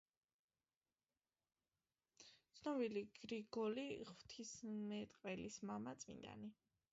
ცნობილი გრიგოლი ღვთისმეტყველის მამა, წმინდანი.